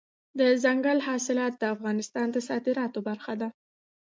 دځنګل حاصلات د افغانستان د صادراتو برخه ده.